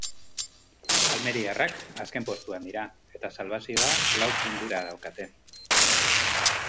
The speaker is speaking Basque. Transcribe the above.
Almeriarrak azken postuan dira eta salbazioa lau puntura daukate.